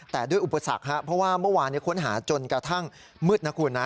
แต่ด้วยอุปสรรคครับเพราะว่าเมื่อวานค้นหาจนกระทั่งมืดนะคุณนะ